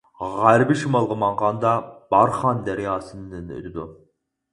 غەربىي شىمالغا ماڭغاندا بارخان دەرياسىدىن ئۆتىدۇ.